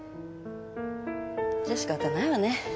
じゃ仕方ないわねぇ。